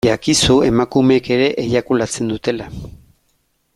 Jakizu emakumeek ere eiakulatzen dutela.